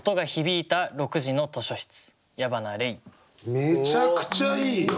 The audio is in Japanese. めちゃくちゃいいよ。